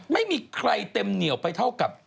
ไม่มีใครเต็มเหนียวไปเท่ากับ